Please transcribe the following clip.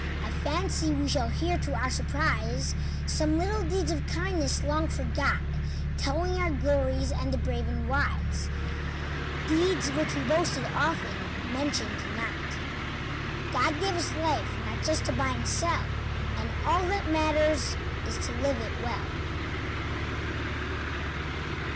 I fancy we shall hear to our surprise Some little deeds of kindness, long forgot, Telling our glory, and the brave and wise Deeds which we boasted often, mentioned not. God gave us life not just to buy and sell, And all that matters is to live it well.